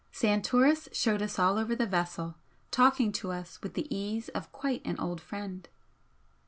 Santoris showed us all over the vessel, talking to us with the ease of quite an old friend.